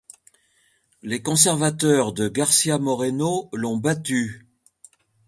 Les conservateurs de García Moreno l'ont battu.